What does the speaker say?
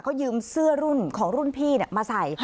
เขายืมเสื้อรุ่นของรุ่นพี่มาใส่